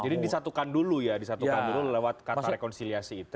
jadi disatukan dulu ya disatukan dulu lewat kata rekonsiliasi itu